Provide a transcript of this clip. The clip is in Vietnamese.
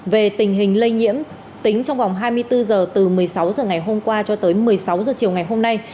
về tình hình lây nhiễm tính trong vòng hai mươi bốn h từ một mươi sáu h ngày hôm qua cho tới một mươi sáu h chiều ngày hôm nay